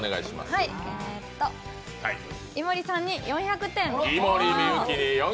井森さんに４００点！